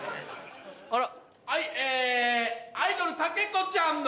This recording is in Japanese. あら？